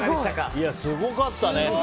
すごかったね。